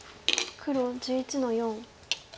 黒１１の四。